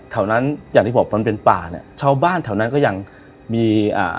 แถวนั้นอย่างที่บอกมันเป็นป่าเนี้ยชาวบ้านแถวนั้นก็ยังมีอ่า